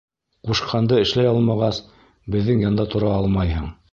Ҡушҡанды эшләй алмағас, беҙҙең янда тора алмайһың!